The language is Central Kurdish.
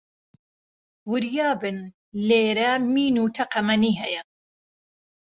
وریا بن، لێرە مین و تەقەمەنی هەیە